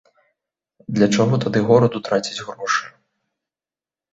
Для чаго тады гораду траціць грошы?